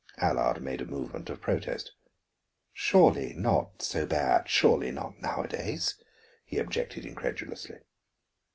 Allard made a movement of protest. "Surely not so bad, surely not nowadays," he objected incredulously.